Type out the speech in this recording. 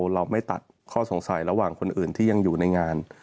เราไม่ตัดข้อสงสัยระหว่างคนอื่นที่ยังอยู่ในงาน